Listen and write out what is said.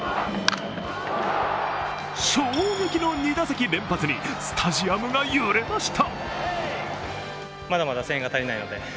衝撃の２打席連発にスタジアムが揺れました。